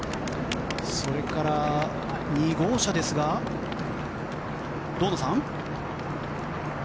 それから、２号車ですが堂野さん。